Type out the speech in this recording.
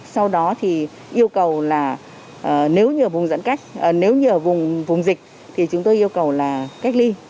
sau đó thì yêu cầu là nếu như ở vùng dịch thì chúng tôi yêu cầu là cách ly